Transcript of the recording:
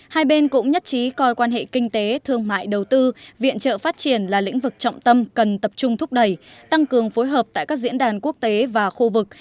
hai bên cũng nhất trí coi quan hệ kinh tế thương mại đầu tư viện trợ phát triển là lĩnh vực trọng tâm cần tập trung thúc đẩy tăng cường phối hợp tại các diễn đàn quốc tế và khu vực